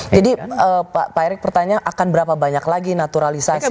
jadi pak erik pertanyaan akan berapa banyak lagi naturalisasi